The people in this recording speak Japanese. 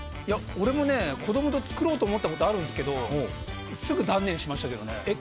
俺も子供の時に作ろうと思ったことあるんですけどすぐ断念しましたけどね。